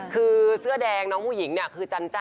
คือเสื้อแดงน้องผู้หญิงเนี่ยคือจันจ้า